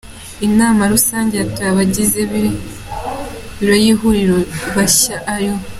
Inama Rusange yatoye Abagize Biro y’Ihuriro bashya, aribo Hon.